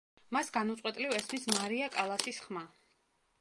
მას განუწყვეტლივ ესმის მარია კალასის ხმა.